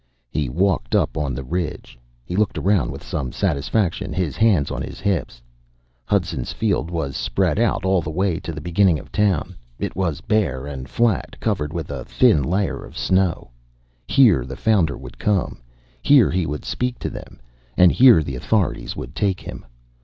He walked up on the ridge. He looked around with some satisfaction, his hands on his hips. Hudson's field was spread out, all the way to the beginning of town. It was bare and flat, covered with a thin layer of snow. Here, the Founder would come. Here, he would speak to them. And here the authorities would take him.